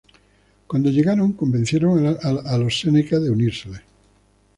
Cuando llegaron convencieron a los seneca de unírseles.